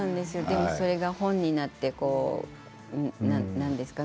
それが本になってなんですか？